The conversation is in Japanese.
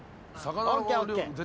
ＯＫＯＫ。